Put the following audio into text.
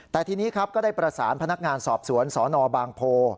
แต่ทีนี้ครับก็ได้ประสานพนักงานสอบสวนสนบางโพ